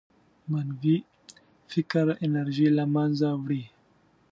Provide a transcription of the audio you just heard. منفي فکر انرژي له منځه وړي.